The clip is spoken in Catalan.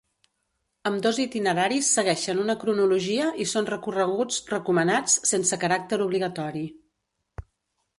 Ambdós itineraris segueixen una cronologia i són recorreguts recomanats, sense caràcter obligatori.